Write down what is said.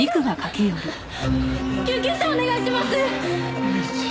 救急車お願いします！